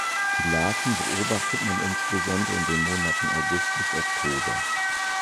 Die Larven beobachtet man insbesondere in den Monaten August bis Oktober.